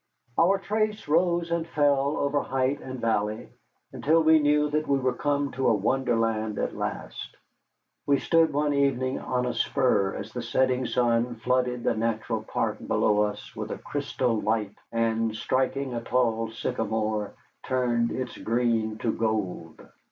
Our trace rose and fell over height and valley, until we knew that we were come to a wonderland at last. We stood one evening on a spur as the setting sun flooded the natural park below us with a crystal light and, striking a tall sycamore, turned its green to gold.